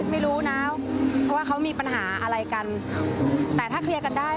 ไม่รู้นะว่าเขามีปัญหาอะไรกันแต่ถ้าเคลียร์กันได้